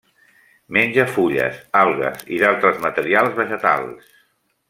Menja fulles, algues i d'altres matèries vegetals.